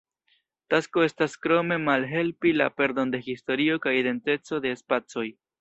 Tasko estas krome malhelpi la perdon de historio kaj identeco de spacoj.